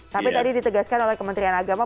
tapi tadi ditegaskan oleh kementerian agama